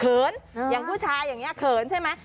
อย่างผู้ชายอย่างนี้เขินใช่ไหม